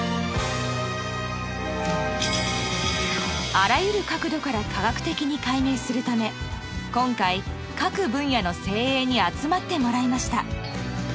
［あらゆる角度から科学的に解明するため今回各分野の精鋭に集まってもらいました］